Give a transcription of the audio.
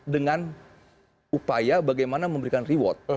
dengan upaya bagaimana memberikan reward